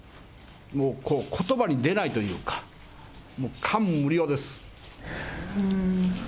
ことばに出ないというか、もう感無量です。